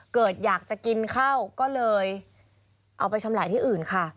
เกิดอยากจะกินข้าวก็เลยเอาไปชำแหละที่อื่นค่ะ